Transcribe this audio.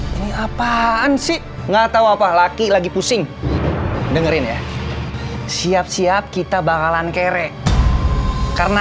ini apaan sih enggak tahu apa laki lagi pusing dengerin ya siap siap kita bakalan kerek karena